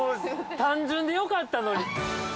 ◆単純でよかったのに。